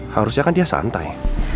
harusnya kan dia santai